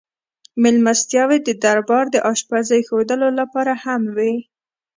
مېلمستیاوې د دربار د اشپزۍ ښودلو لپاره هم وې.